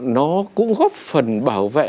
nó cũng góp phần bảo vệ